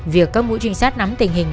việc các mũi trinh sát nắm tình hình